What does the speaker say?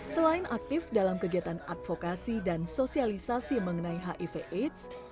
selain aktif dalam kegiatan advokasi dan sosialisasi mengenai hiv aids